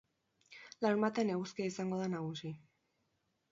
Larunbatean eguzkia izango da nagusi.